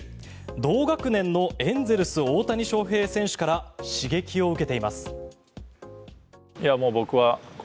同学年のエンゼルス、大谷翔平選手から刺激を受けています。